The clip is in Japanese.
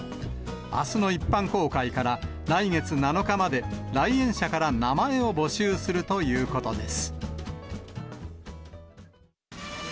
あすの一般公開から、来月７日まで、来園者から名前を募集するということです。